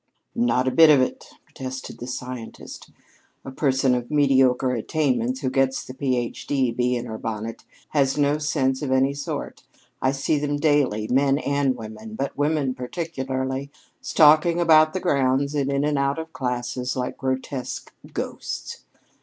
"Not a bit of it," protested the scientist. "A person of mediocre attainments who gets the Ph.D. bee in her bonnet has no sense of any sort. I see them daily, men and women, but women particularly, stalking about the grounds and in and out of classes, like grotesque ghosts.